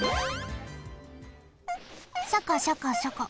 シャカシャカシャカ。